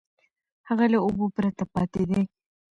هغه له اوبو پرته پاتې دی.